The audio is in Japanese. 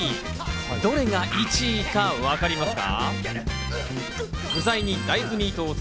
どれが１位かわかりますか？